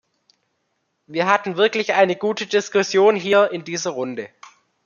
Wir hatten wirklich eine gute Diskussion hier in dieser Runde.